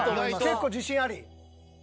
結構自信あり。